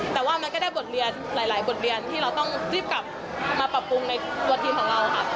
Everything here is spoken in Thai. แต่ว่ามันก็ได้บทเรียนหลายบทเรียนที่เราต้องรีบกลับมาปรับปรุงในตัวทีมของเราค่ะ